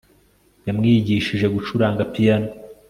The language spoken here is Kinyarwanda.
yamwigishije gucuranga piyano